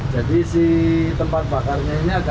jadi si tempat bakarnya ini agak naik ya